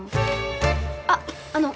あっあの。